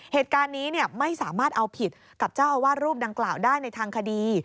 เหตุการณ์นี้ไม่สามารถเอาผิดกับเจ้าอาวาสรูปดังกล่าวได้ในทางคดี